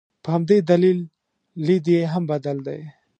په همدې دلیل لید یې هم بدل دی.